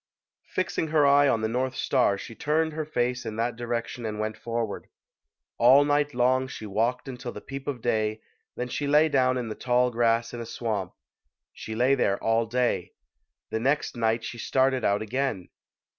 Fixing her eye ori the North Star, she turned her face in that direction and went forward. All night long she walked until the peep of day, then she lay down in the tall grass in a swamp. She lay there all day. The next night she started out again.